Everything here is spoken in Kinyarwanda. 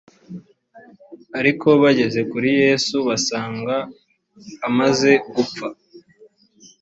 ariko bageze kuri yesu basanga amaze gupfa